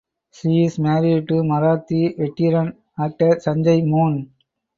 She is married to Marathi veteran actor Sanjay Mone.